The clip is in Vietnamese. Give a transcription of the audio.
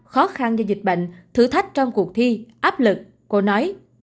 khó khăn do dịch bệnh thử thách trong cuộc thi áp lực cô nói